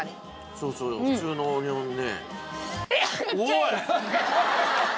そうそう普通のオニオンねえ。